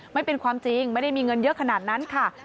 ไม่เป็นความจริงไม่ได้มีเงินเยอะขนาดนั้นค่ะ